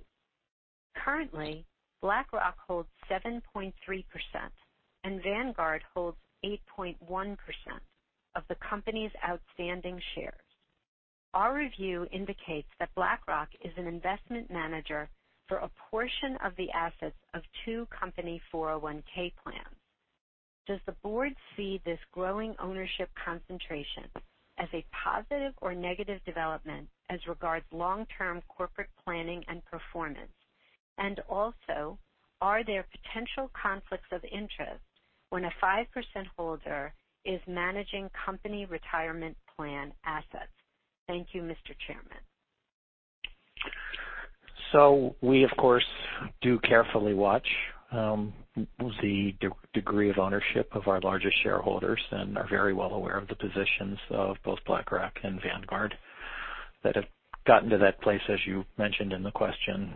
Currently, BlackRock holds 7.3% and Vanguard holds 8.1% of the company's outstanding shares. Our review indicates that BlackRock is an investment manager for a portion of the assets of two company 401 plans. Does the board see this growing ownership concentration as a positive or negative development as regards long-term corporate planning and performance? Also, are there potential conflicts of interest when a 5% holder is managing company retirement plan assets? Thank you, Mr. Chairman. We, of course, do carefully watch the degree of ownership of our largest shareholders and are very well aware of the positions of both BlackRock and Vanguard that have gotten to that place, as you mentioned in the question,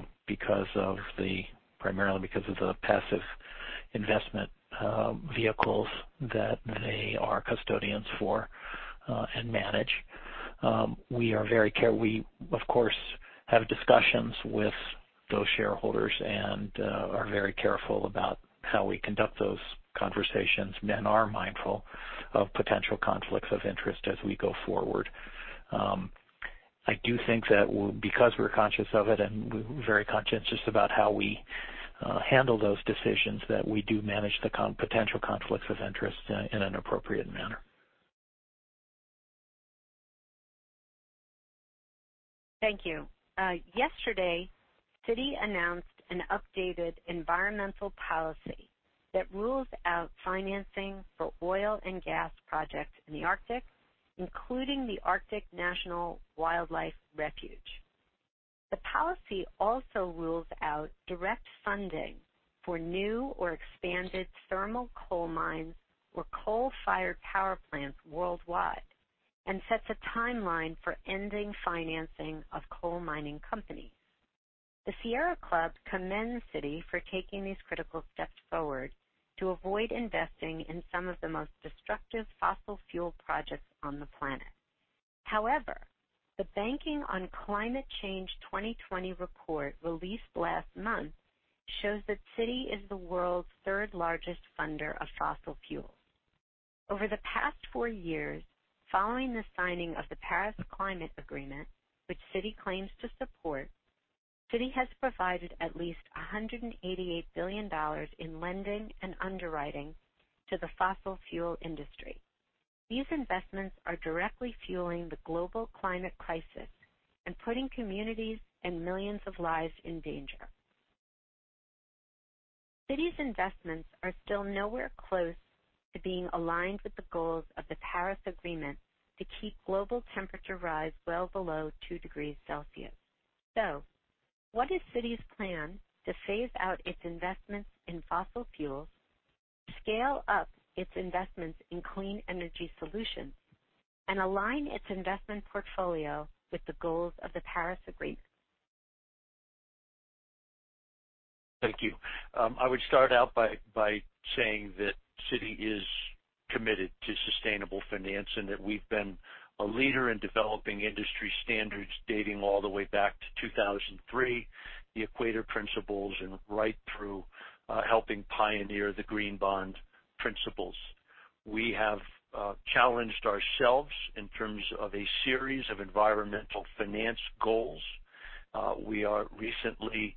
primarily because of the passive investment vehicles that they are custodians for and manage. We, of course, have discussions with those shareholders and are very careful about how we conduct those conversations and are mindful of potential conflicts of interest as we go forward. I do think that because we're conscious of it, and we're very conscientious about how we handle those decisions, that we do manage the potential conflicts of interest in an appropriate manner. Thank you. Yesterday, Citi announced an updated environmental policy that rules out financing for oil and gas projects in the Arctic, including the Arctic National Wildlife Refuge. The policy also rules out direct funding for new or expanded thermal coal mines or coal-fired power plants worldwide and sets a timeline for ending financing of coal mining companies. The Sierra Club commends Citi for taking these critical steps forward to avoid investing in some of the most destructive fossil fuel projects on the planet. The Banking on Climate Change 2020 report, released last month, shows that Citi is the world's third-largest funder of fossil fuels. Over the past four years, following the signing of the Paris Climate Agreement, which Citi claims to support, Citi has provided at least $188 billion in lending and underwriting to the fossil fuel industry. These investments are directly fueling the global climate crisis and putting communities and millions of lives in danger. Citi's investments are still nowhere close to being aligned with the goals of the Paris Agreement to keep global temperature rise well below two degrees Celsius. What is Citi's plan to phase out its investments in fossil fuels, scale up its investments in clean energy solutions, and align its investment portfolio with the goals of the Paris Agreement? Thank you. I would start out by saying that Citi is committed to sustainable finance and that we've been a leader in developing industry standards dating all the way back to 2003, the Equator Principles, and right through helping pioneer the Green Bond principles. We have challenged ourselves in terms of a series of environmental finance goals. We are recently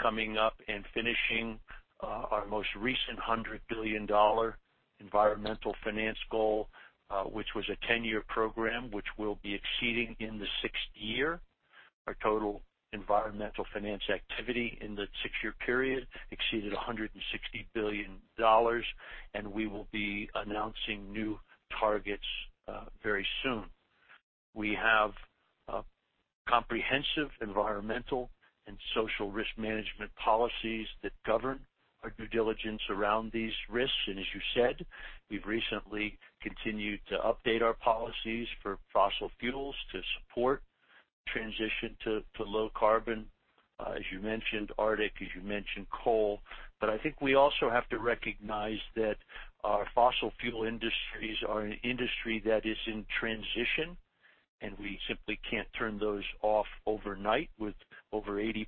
coming up and finishing our most recent $100 billion environmental finance goal, which was a 10-year program, which we'll be exceeding in the sixth year. Our total environmental finance activity in the six-year period exceeded $160 billion, and we will be announcing new targets very soon. We have comprehensive environmental and social risk management policies that govern our due diligence around these risks. As you said, we've recently continued to update our policies for fossil fuels to support transition to low carbon. As you mentioned, Arctic, as you mentioned, coal. I think we also have to recognize that our fossil fuel industries are an industry that is in transition, and we simply can't turn those off overnight with over 80%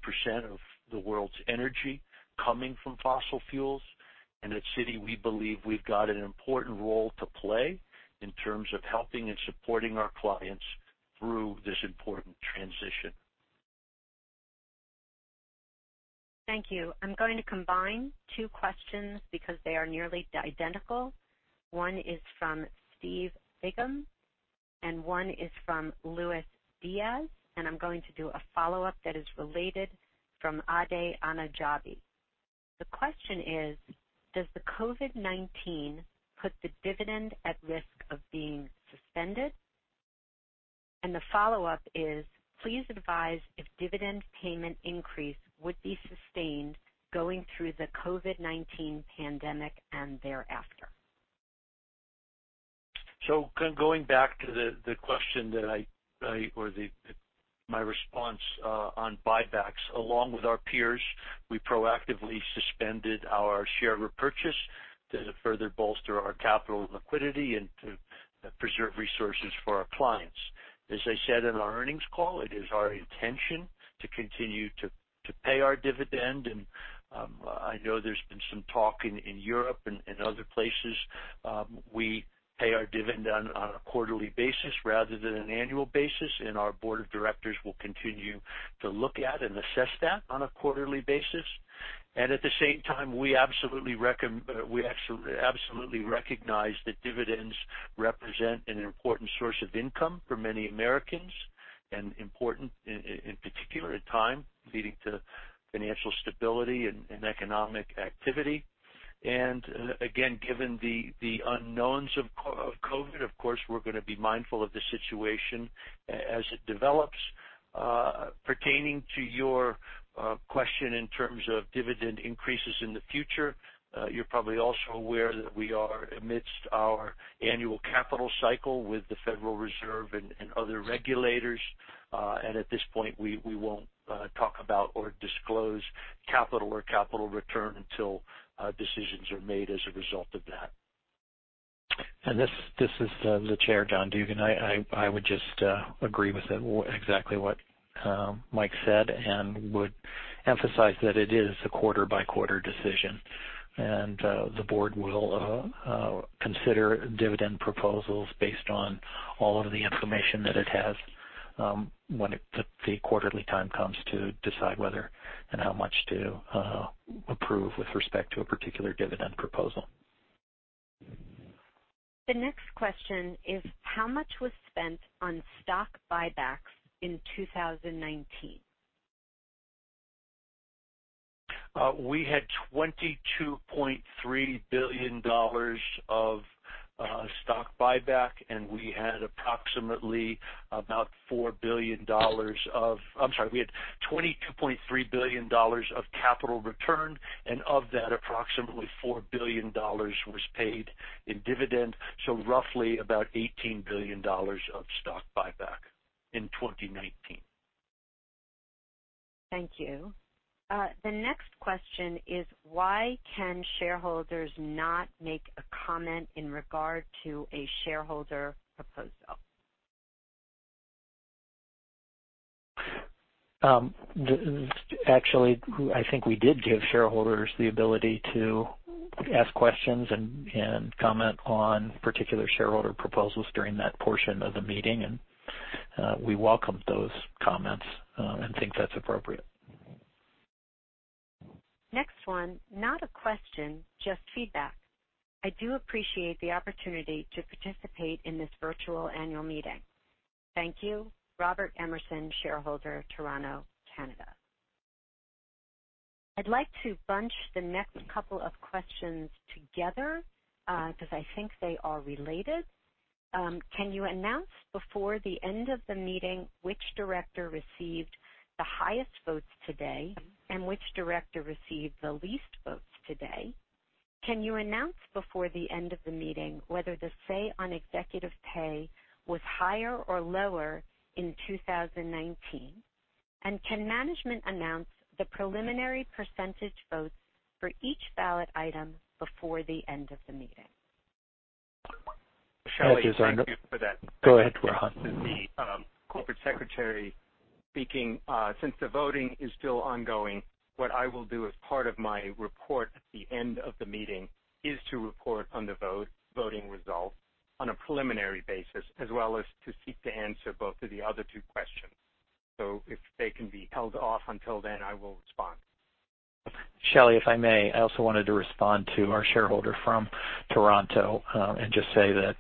of the world's energy coming from fossil fuels. At Citi, we believe we've got an important role to play in terms of helping and supporting our clients through this important transition. Thank you. I'm going to combine two questions because they are nearly identical. One is from Steve Bigham, and one is from Lewis Diaz. I'm going to do a follow-up that is related from Ade Anajabi. The question is: Does the COVID-19 put the dividend at risk of being suspended? The follow-up is: Please advise if dividend payment increase would be sustained going through the COVID-19 pandemic and thereafter. Going back to my response on buybacks. Along with our peers, we proactively suspended our share repurchase to further bolster our capital liquidity and to preserve resources for our clients. As I said in our earnings call, it is our intention to continue to pay our dividend, and I know there's been some talk in Europe and other places. We pay our dividend on a quarterly basis rather than an annual basis, and our board of directors will continue to look at and assess that on a quarterly basis. At the same time, we absolutely recognize that dividends represent an important source of income for many Americans, and important in particular at a time leading to financial stability and economic activity. Again, given the unknowns of COVID, of course, we're going to be mindful of the situation as it develops. Pertaining to your question in terms of dividend increases in the future, you're probably also aware that we are amidst our annual capital cycle with the Federal Reserve and other regulators. At this point, we won't talk about or disclose capital or capital return until decisions are made as a result of that. This is the Chair, John Dugan. I would just agree with exactly what Mike said and would emphasize that it is a quarter-by-quarter decision. The board will consider dividend proposals based on all of the information that it has when the quarterly time comes to decide whether and how much to approve with respect to a particular dividend proposal. The next question is: How much was spent on stock buybacks in 2019? We had $22.3 billion of capital return, and of that, approximately $4 billion was paid in dividends, so roughly $18 billion of stock buyback in 2019. Thank you. The next question is: Why can shareholders not make a comment in regard to a shareholder proposal? I think we did give shareholders the ability to ask questions and comment on particular shareholder proposals during that portion of the meeting, and we welcome those comments and think that's appropriate. Next one. Not a question, just feedback. I do appreciate the opportunity to participate in this virtual annual meeting. Thank you. Robert Emerson, shareholder, Toronto, Canada. I'd like to bunch the next couple of questions together because I think they are related. Can you announce before the end of the meeting which director received the highest votes today, and which director received the least votes today? Can you announce before the end of the meeting whether the say on executive pay was higher or lower in 2019? Can management announce the preliminary percentage votes for each ballot item before the end of the meeting? Shelley, thank you for that. Go ahead, Rohan. This is the Corporate Secretary speaking. Since the voting is still ongoing, what I will do as part of my report at the end of the meeting is to report on the voting results on a preliminary basis, as well as to seek to answer both of the other two questions. If they can be held off until then, I will respond. Shelley, if I may, I also wanted to respond to our shareholder from Toronto and just say that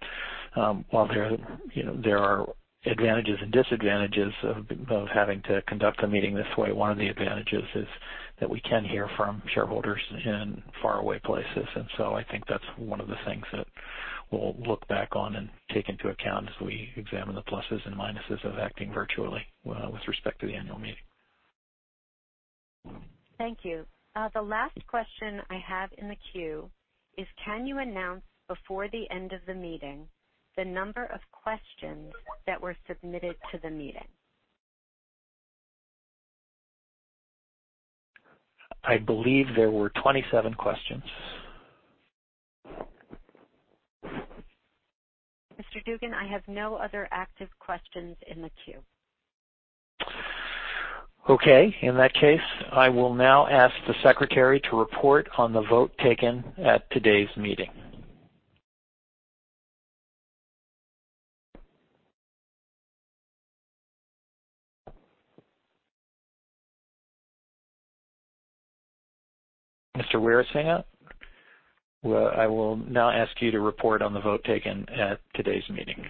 while there are advantages and disadvantages of having to conduct a meeting this way, one of the advantages is that we can hear from shareholders in faraway places. I think that's one of the things that we'll look back on and take into account as we examine the pluses and minuses of acting virtually with respect to the annual meeting. Thank you. The last question I have in the queue is: Can you announce before the end of the meeting the number of questions that were submitted to the meeting? I believe there were 27 questions. Mr. Dugan, I have no other active questions in the queue. Okay. In that case, I will now ask the secretary to report on the vote taken at today's meeting. Mr. Weerasinghe, I will now ask you to report on the vote taken at today's meeting.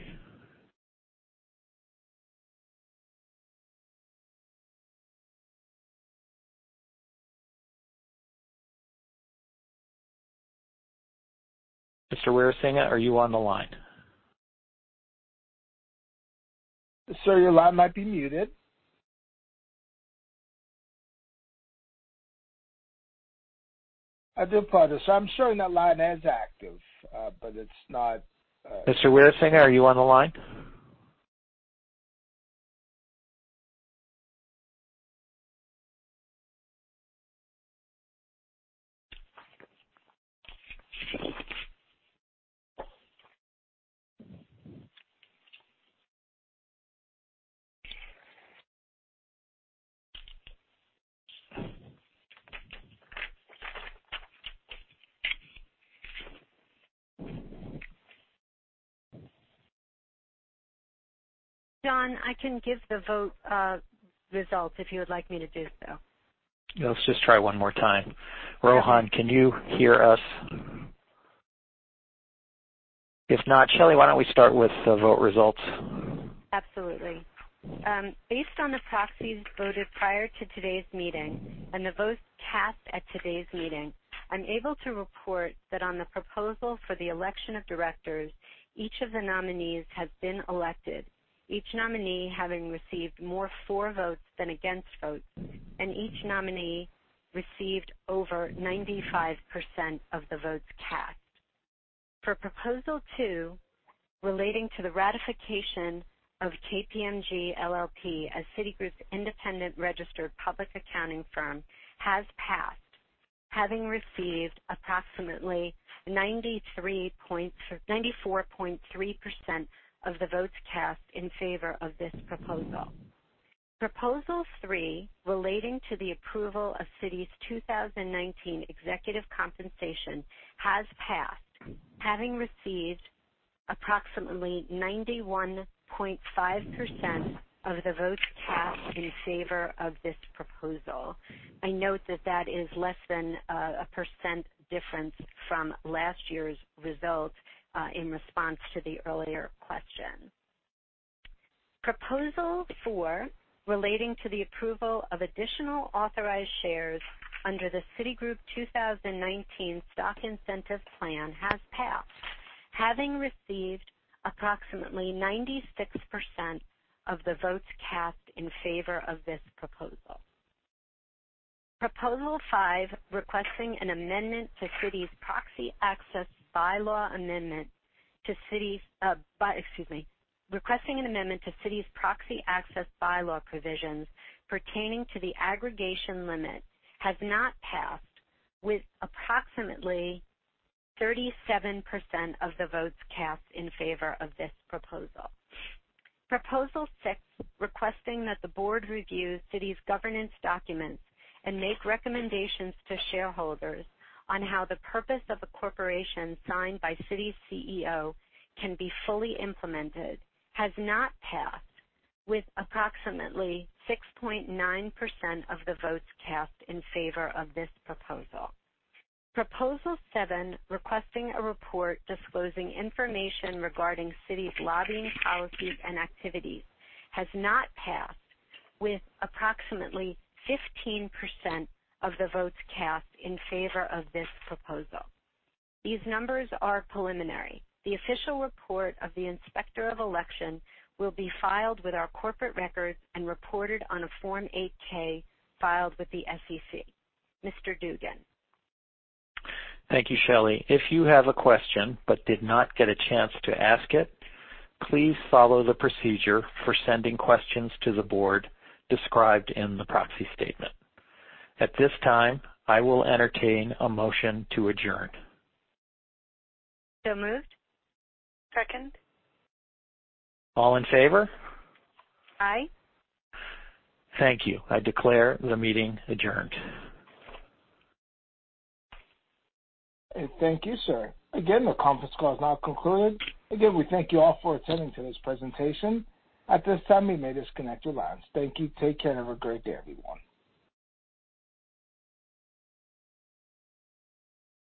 Mr. Weerasinghe, are you on the line? Sir, your line might be muted. I do apologize. I'm showing that line as active. Mr. Weerasinghe, are you on the line? John, I can give the vote results if you would like me to do so. Let's just try one more time. Rohan, can you hear us? If not, Shelley, why don't we start with the vote results? Absolutely. Based on the proxies voted prior to today's meeting and the votes cast at today's meeting, I'm able to report that on the proposal for the election of directors, each of the nominees has been elected, each nominee having received more for votes than against votes, and each nominee received over 95% of the votes cast. For Proposal 2, relating to the ratification of KPMG LLP as Citigroup's independent registered public accounting firm, has passed, having received approximately 94.3% of the votes cast in favor of this proposal. Proposal 3, relating to the approval of Citi's 2019 executive compensation, has passed, having received approximately 91.5% of the votes cast in favor of this proposal. I note that that is less than a percent difference from last year's results in response to the earlier question. Proposal 4, relating to the approval of additional authorized shares under the Citigroup 2019 Stock Incentive Plan, has passed, having received approximately 96% of the votes cast in favor of this proposal. Proposal 5, requesting an amendment to Citi's proxy access bylaw provisions pertaining to the aggregation limit has not passed with approximately 37% of the votes cast in favor of this proposal. Proposal 6, requesting that the board review Citi's governance documents and make recommendations to shareholders on how the purpose of a corporation signed by Citi's CEO can be fully implemented, has not passed with approximately 6.9% of the votes cast in favor of this proposal. Proposal 7, requesting a report disclosing information regarding Citi's lobbying policies and activities, has not passed with approximately 15% of the votes cast in favor of this proposal. These numbers are preliminary. The official report of the Inspector of Election will be filed with our corporate records and reported on a Form 8-K filed with the SEC. Mr. Dugan. Thank you, Shelley. If you have a question but did not get a chance to ask it, please follow the procedure for sending questions to the board described in the proxy statement. At this time, I will entertain a motion to adjourn. So moved. Second. All in favor? Aye. Thank you. I declare the meeting adjourned. Thank you, sir. Again, the conference call has now concluded. Again, we thank you all for attending today's presentation. At this time, you may disconnect your lines. Thank you. Take care. Have a great day, everyone.